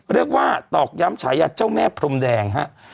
เรียกว่าตอกย้ำฉายัดเจ้าแม่พรมแดงครับ